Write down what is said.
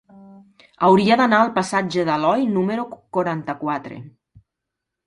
Hauria d'anar al passatge d'Aloi número quaranta-quatre.